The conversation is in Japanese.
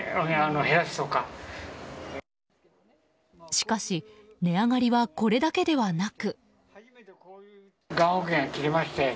しかし値上がりはこれだけではなく。